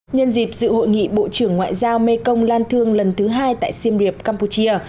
nhân dịp dự hội nghị bộ trưởng ngoại giao mekong lan thương lần thứ hai tại siem reap campuchia